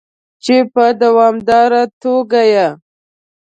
چې په دوامداره توګه یې